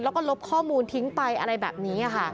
แล้วก็ลบข้อมูลทิ้งไปอะไรแบบนี้ค่ะ